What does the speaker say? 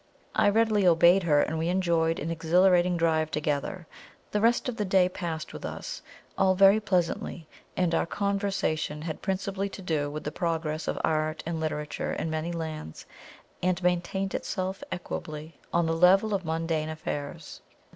I readily obeyed her, and we enjoyed an exhilarating drive together. The rest of the day passed with us all very pleasantly and our conversation had principally to do with the progress of art and literature in many lands, and maintained itself equably on the level of mundane affairs.